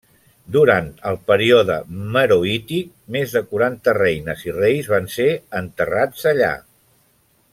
Durant el període meroític, més de quaranta reines i reis van ser enterrats allà.